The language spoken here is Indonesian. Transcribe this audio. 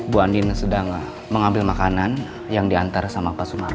bu andin sedang mengambil makanan yang diantar sama pak sumarno